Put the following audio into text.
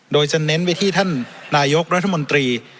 โดยจะเน้นไปที่ท่านนายกรัฐมนตรี